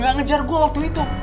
gak ngejar gue waktu itu